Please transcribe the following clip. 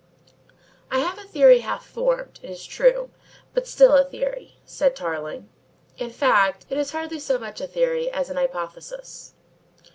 "I have a theory, half formed, it is true, but still a theory," said Tarling. "In fact, it's hardly so much a theory as an hypothesis."